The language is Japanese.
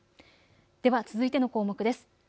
では続いての項目です。